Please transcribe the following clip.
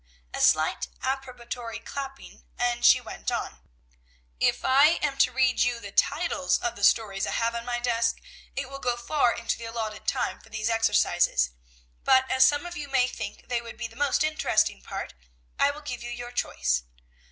A slight approbatory clapping, and she went on: "If I am to read you the titles of the stories I have on my desk, it will go far into the alloted time for these exercises; but, as some of you may think they would be the most interesting part, I will give you your choice.